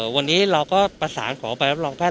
วันนี้เราก็ประสานขอใบรับรองแพท